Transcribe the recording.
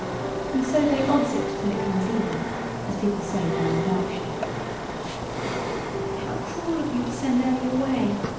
And so they odds it till it comes even, as folks say down in Berkshire. "How cruel of you to send Ellie away!"